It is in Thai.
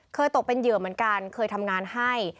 ตกเป็นเหยื่อเหมือนกันเคยทำงานให้